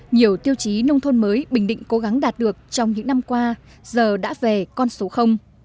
nhiều tiêu chí nông thôn mới bình định cố gắng đạt được trong những năm qua giờ đã về con số